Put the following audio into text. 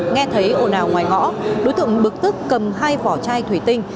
nghe thấy ồn ào ngoài ngõ đối tượng bực tức cầm hai vỏ chai thủy tinh